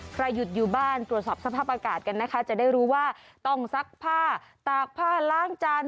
หยุดอยู่บ้านตรวจสอบสภาพอากาศกันนะคะจะได้รู้ว่าต้องซักผ้าตากผ้าล้างจาน